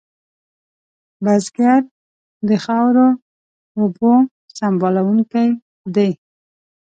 بزګر د خاورو اوبو سنبالونکی دی